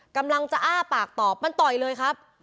กำลังจะอ้าปากตอบมันต่อยเลยครับ